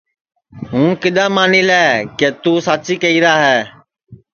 ہوں کِدؔا مانی لے کہ توں ساچی کیہرا ہے